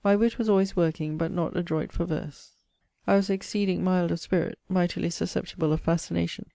witt was alwaies working, but not adroict for verse. ex mild of spirit; migh susceptible of fascination.